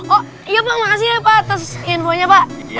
oh iya pak makasih ya pak atas infonya pak